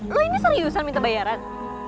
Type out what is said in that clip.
lo ini seriusan minta bayaran